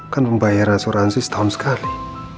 kan pembayaran asuransi setahun sekali